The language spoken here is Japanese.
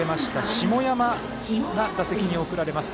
下山が打席に送られます。